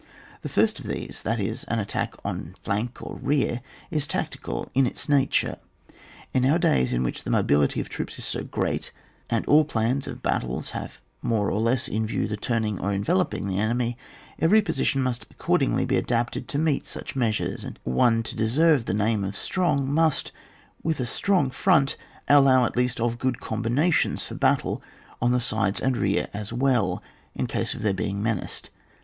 The first of these, that is, an attack on flank or rear is tactical in its nature. In our days in which the mobility of troops is so great, and all plans of battles have more or less in view the turning or enveloping the enemy, every position must accordingly be adapted to meet such measures, and one to deserve the name of strong must, with a strong front, allow at least of good combinations for battle on the sides and rear as well, in case of their being menaced.